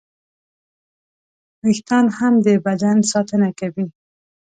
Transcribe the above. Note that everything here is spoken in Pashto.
وېښتيان هم د بدن ساتنه کوي.